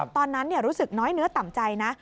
ตอนนั้นรู้สึกน้อยเนื้อต่ำใจนะ